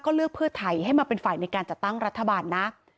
ก็เลือกเพื่อไทยให้มาเป็นฝ่ายในการจัดตั้งรัฐบาลนะ